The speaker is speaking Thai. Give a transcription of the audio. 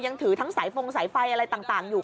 ถือทั้งสายฟงสายไฟอะไรต่างอยู่